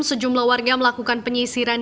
sejumlah warga melakukan penyisiran